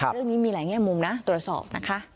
เรื่องนี้มีหลายแง่มุมนะตรวจสอบนะคะ